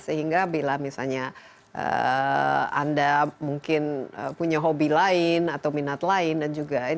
sehingga bila misalnya anda mungkin punya hobi lain atau minat lain dan juga